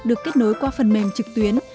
được kết nối qua phần mềm trực tuyến